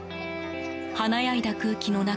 華やいだ空気の中